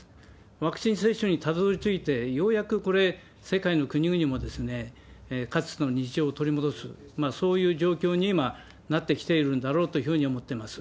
ワクチン接種にたどりついて、ようやくこれ、世界の国々もかつての日常を取り戻す、そういう状況に、今、なってきているんだろうというふうに思ってます。